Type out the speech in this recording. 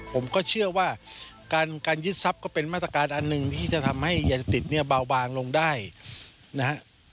ผมก็เชื่อว่าการยึดทรัพย์ก็เป็นมาตรการอันหนึ่งที่จะทำให้ยาเสพติดเนี่ยเบาบางลงได้นะฮะ